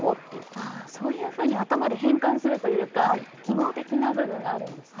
ああそういうふうに頭で変換するというか機能的な部分があるんですね。